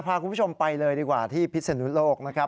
พาคุณผู้ชมไปเลยดีกว่าที่พิศนุโลกนะครับ